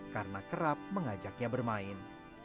karena kerap mengajaknya bermain